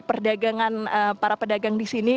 perdagangan para pedagang di sini